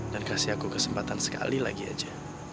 dan kasih aku kesempatan sekali lagi aja